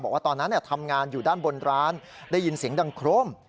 บอกว่าตอนนั้นทำงานอยู่ด้านบนร้านได้ยินเสียงดังโครม